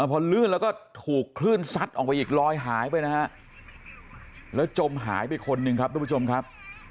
พอลื่นแล้วก็ถูกคลื่นซัดออกไปอีกลอยหายไปนะฮะแล้วจมหายไปคนหนึ่งครับทุกผู้ชมครับ